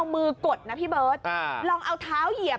ขึ้นไปคด้านคำว่าค่ะ